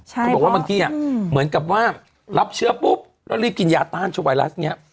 เขาบอกว่าบางทีเหมือนกับว่ารับเชื้อปุ๊บแล้วรีบกินยาต้านเชื้อไวรัสเนี่ย